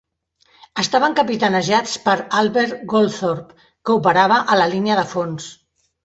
Estaven capitanejats per Albert Goldthorpe, que operava a la línia de fons.